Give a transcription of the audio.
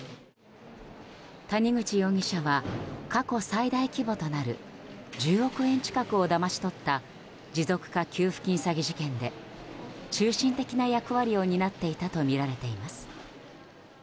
谷口容疑者は過去最大規模となる１０億円近くをだまし取った持続化給付金詐欺事件で中心的な役割を担っていたとみられています。